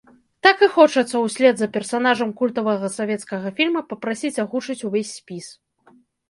Так і хочацца ўслед за персанажам культавага савецкага фільма папрасіць агучыць увесь спіс.